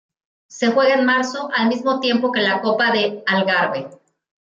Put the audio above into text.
Se juega en marzo, al mismo tiempo que la Copa de Algarve.